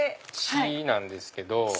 「シ」なんですけど。